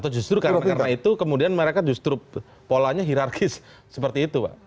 atau justru karena itu kemudian mereka justru polanya hirarkis seperti itu pak